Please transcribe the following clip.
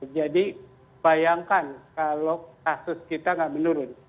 jadi bayangkan kalau kasus kita nggak menurun